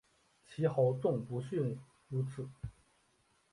其豪纵不逊如此。